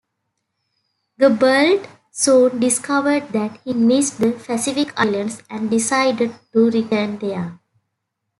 Gerbault soon discovered that he missed the Pacific islands, and decided to return there.